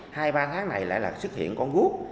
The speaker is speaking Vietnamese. hai ba tháng này lại là xuất hiện con guốc